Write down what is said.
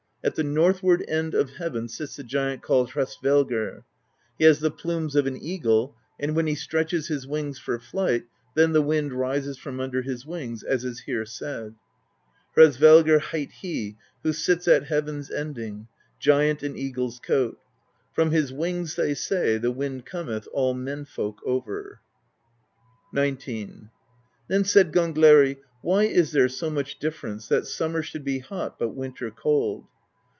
At the northward end of heaven sits the giant called Hraesvelgr: he has the plumes of an eagle, and when he stretches his wings for flight, then the wind rises from under his wings, as is here said: Hraesvelgr hight he who sits at heaven's ending, Giant in eagle's coat; From his wings, they say, the wind cometh All men folk over." XIX. Then said Gangleri: "Why is there so much differ ence, that summer should be hot, but winter cold?"